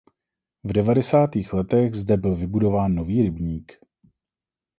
V devadesátých letech zde byl vybudován Nový rybník.